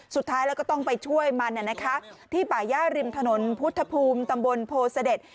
สุดท้ายแล้วก็ต้องไปช่วยมันที่ป่าย่าริมถนนพุทธภูมิตำบลโพเสด็จ